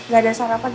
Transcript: gak ada sarapan gitu